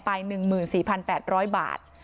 ๑๔๘๐๐บาท